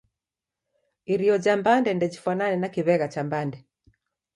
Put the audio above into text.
Irio ja mbande ndejifwanane na kiw'egha cha mbande.